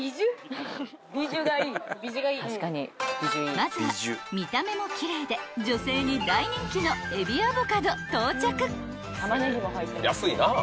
［まずは見た目も奇麗で女性に大人気のえびアボカド到着］